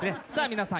皆さん